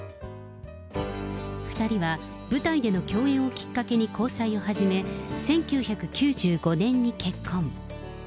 ２人は舞台での共演をきっかけに交際を始め、１９９５年に結婚。